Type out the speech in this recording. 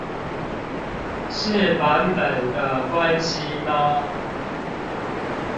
是版本的關係嗎？